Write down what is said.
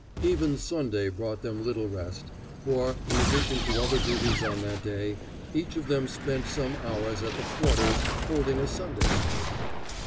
Even Sunday brought them little rest, for, in addition to other duties on that day, each of them spent some hours at the "quarters" holding a Sunday school.